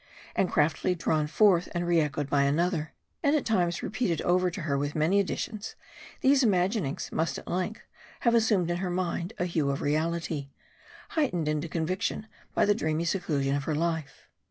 And craftily drawn forth' and re echoed by another, and at times repeated over to her with many additions, these imaginings must at length have assumed in her mind a hue of reality, heightened into conviction by the dreamy seclusion of her life.